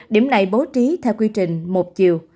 điểm này bố trí theo quy trình một chiều